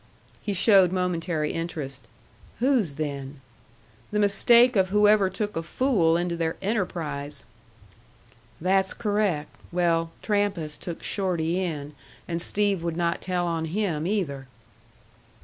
He showed momentary interest. "Whose then?" "The mistake of whoever took a fool into their enterprise." "That's correct. Well, Trampas took Shorty in, and Steve would not tell on him either."